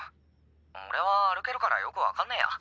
オレは歩けるからよく分かんねえや！